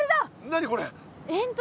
何これ？